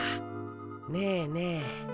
ねえねえ